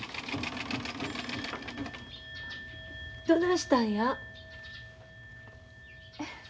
どないしたんや。